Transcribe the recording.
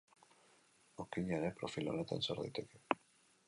Okina ere profil honetan sar daiteke.